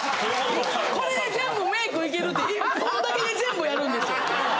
これで全部メイクいけるって１本だけで全部やるんですよ。